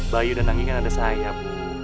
bayu dan angin kan ada sayap